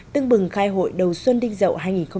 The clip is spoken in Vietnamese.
tưng bừng khai hội đầu xuân đinh dậu hai nghìn một mươi bảy